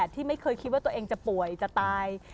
ที่ไม่เคยคิดว่าตัวเองจะป่วยจะตาย